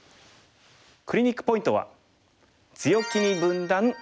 クリニックポイントは。